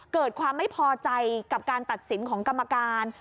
เกิดความไม่พอใจกับการตัดสินของกรรมการ